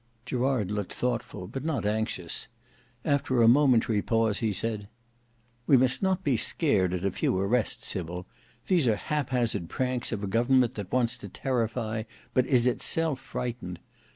Gerard looked thoughtful, but not anxious: after a momentary pause, he said, "We must not be scared at a few arrests, Sybil. These are hap hazard pranks of a government that wants to terrify, but is itself frightened.